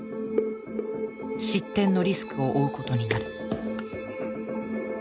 失点のリスクを負うことになる。